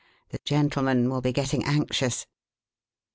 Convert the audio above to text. The gentlemen will be getting anxious."